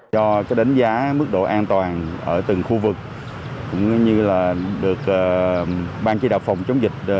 do đánh giá mức độ an toàn ở từng khu vực cũng như là được ban chỉ đạo phòng chống dịch